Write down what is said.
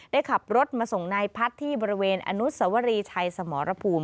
ได้ขับรถมาส่งนายพัฒน์ที่บริเวณอนุสวรีชัยสมรภูมิ